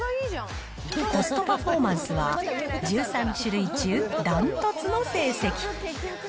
コストパフォーマンスは、１３種類中断トツの成績。